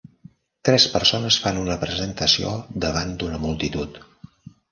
Tres persones fan una presentació davant d'una multitud.